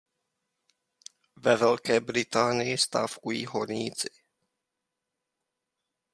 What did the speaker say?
Ve Velké Británii stávkují horníci.